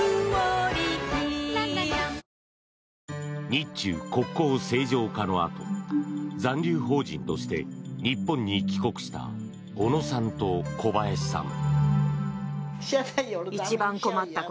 日中国交正常化のあと残留邦人として日本に帰国した小野さんと小林さん。